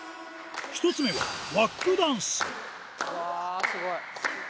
１つ目はワックダンス。